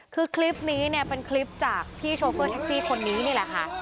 คือคลิปนี้เนี่ยเป็นคลิปจากพี่โชเฟอร์แท็กซี่คนนี้นี่แหละค่ะ